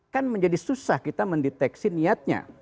kan menjadi susah kita mendeteksi niatnya